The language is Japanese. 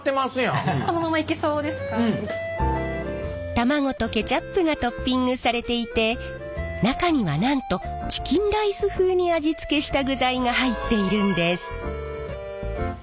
卵とケチャップがトッピングされていて中にはなんとチキンライス風に味付けした具材が入っているんです。